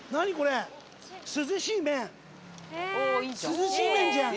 涼しい麺じゃん。